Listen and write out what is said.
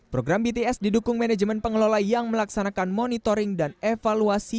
program bts didukung manajemen pengelola yang melaksanakan monitoring dan evaluasi